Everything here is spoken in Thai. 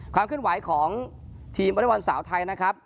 ความขึ้นไหวของทีมอริมวัลสาวไทยนะครับ